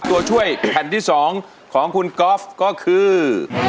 ตัวช่วยแผ่นที่๒ของคุณก๊อฟก็คือ